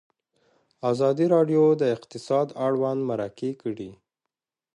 ازادي راډیو د اقتصاد اړوند مرکې کړي.